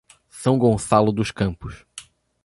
São Gonçalo dos Campos